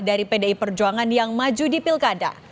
dari pdi perjuangan yang maju di pilkada